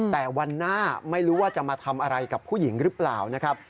แต่วันหน้าไม่รู้ว่าจะมาทำอะไรกับผู้หญิงหรือเปล่านะครับ